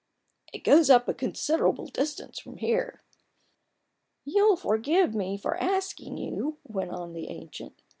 " It goes up a considerable distance from here." " You'll forgive me asking you," went on the ancient.